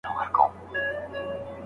نالوستي کسان هم کولای سي هڅه وکړي.